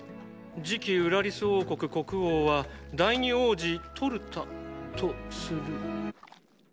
次期ウラリス王国国王は第２王子トルタとする」。